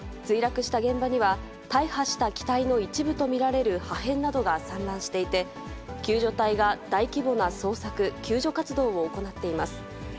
墜落した現場には、大破した機体の一部と見られる破片などが散乱していて、救助隊が大規模な捜索、救助活動を行っています。